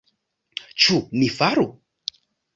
Ĉu ni faru?